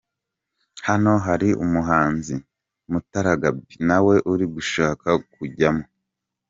Hano hari umuhanzi Mutara Gaby nawe uri gushaka kujyamo